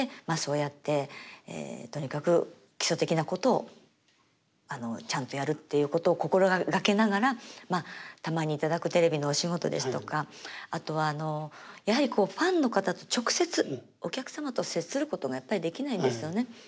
まあそうやってとにかく基礎的なことをちゃんとやるっていうことを心がけながらまあたまに頂くテレビのお仕事ですとかあとはやはりこうファンの方と直接お客様と接することがやっぱりできないんですよね。